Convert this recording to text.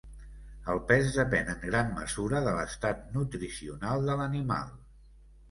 El pes depèn en gran mesura de l'estat nutricional de l'animal.